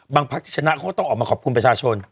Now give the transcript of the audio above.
บางภาคริชชนะเขาต้องออกมาขอบคุมประชาชน